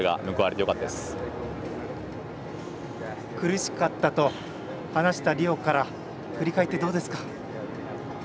苦しかったと話したリオから振り返って、どうですか？